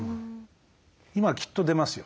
今きっと出ますよ。